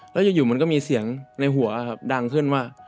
แล้วอยู่มันก็มีเสียงในหัวครับดังขึ้นว่า